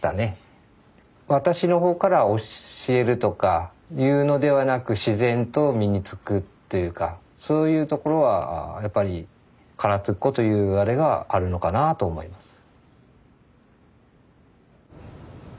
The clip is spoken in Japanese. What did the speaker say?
私の方から教えるとかいうのではなく自然と身につくというかそういうところはやっぱり唐津っ子というあれがあるのかなあと思います。